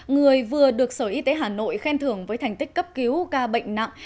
người vừa được sở y tế hà nội khen thưởng với thành tích cấp cứu ca bệnh nặng